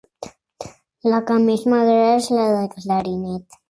La que més m'agrada és la del clarinet.